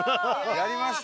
やりました！